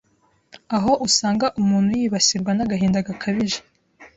aho usanga umuntu yibasirwa n’agahinda gakabije